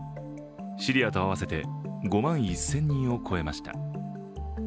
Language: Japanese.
シリアと合わせて５万１０００人を超えました。